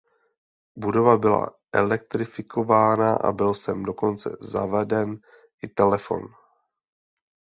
Budova byla elektrifikována a byl sem dokonce zaveden i telefon.